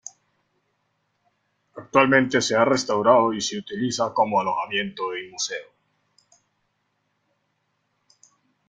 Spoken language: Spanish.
Actualmente se ha restaurado y se utiliza como alojamiento y museo.